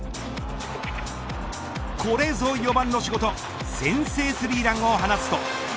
これぞ、４番の仕事先制３ランを放つと。